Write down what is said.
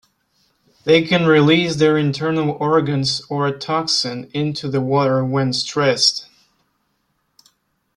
They can release their internal organs or a toxin into the water when stressed.